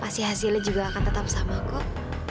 pasti hasilnya juga akan tetap sama kok